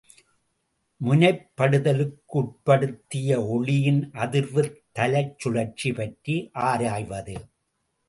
முனைப்படுதலுக்குட்படுத்திய ஒளியின் அதிர்வுத் தலச் சுழற்சி பற்றி ஆராய்வது.